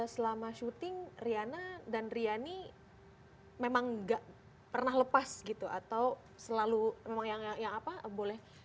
selama syuting riana dan riani memang gak pernah lepas gitu atau selalu memang yang apa boleh